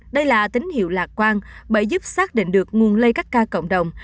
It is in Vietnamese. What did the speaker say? đây là tín hiệu lạc quan bởi giúp xác định được nguồn lây các ca cộng đồng